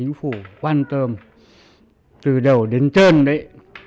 đảng chính phủ quan tâm từ đầu đến trơn đấy